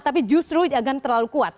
tapi justru jangan terlalu kuat